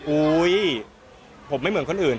อุ๊ยผมไม่เหมือนคนอื่น